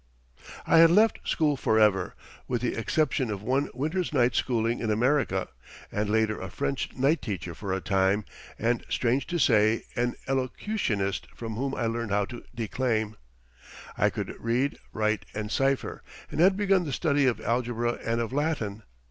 I had left school forever, with the exception of one winter's night schooling in America, and later a French night teacher for a time, and, strange to say, an elocutionist from whom I learned how to declaim. I could read, write, and cipher, and had begun the study of algebra and of Latin.